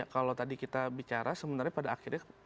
kalau tadi kita bicara sebenarnya pada akhirnya